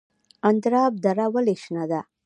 اندراب دره ولې شنه ده؟